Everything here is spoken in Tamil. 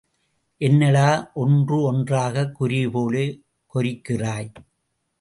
என்னடா ஒன்று ஒன்றாகக் குருவி போலப் கொரிக்கிறாய்?